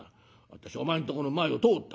私お前んとこの前を通った。